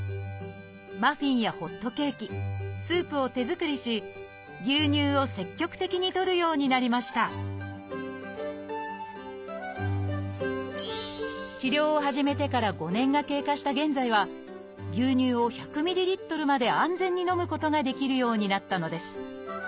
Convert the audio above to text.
マフィンやホットケーキスープを手作りし牛乳を積極的にとるようになりました治療を始めてから５年が経過した現在は牛乳を１００ｍＬまで安全に飲むことができるようになったのです。